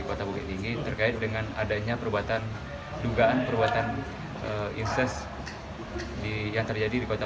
kota bukit tinggi terkait dengan adanya perbuatan dugaan perbuatan ises di yang terjadi di kota